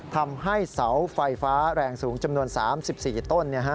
ทำให้เสาไฟฟ้าแรงสูงจำนวน๓๔ต้น